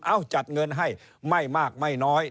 จัดเงินให้ไม่มากไม่น้อย